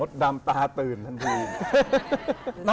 มดดำตาตื่น